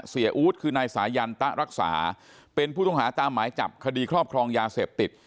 อู๊ดคือนายสายันตะรักษาเป็นผู้ต้องหาตามหมายจับคดีครอบครองยาเสพติด